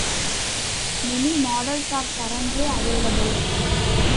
Many models are currently available.